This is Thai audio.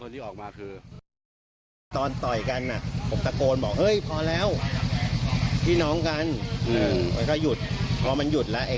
ทีนี้เขาพูดว่า